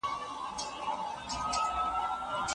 شریعت د ټولو لپاره یو ډول دی.